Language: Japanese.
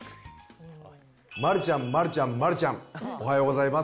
丸ちゃん、丸ちゃん、丸ちゃん、おはようございます。